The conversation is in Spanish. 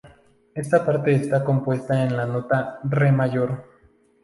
Esta parte está compuesta en la nota "re" mayor.